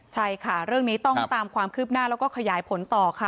ใช่ค่ะเรื่องนี้ต้องตามความคืบหน้าแล้วก็ขยายผลต่อค่ะ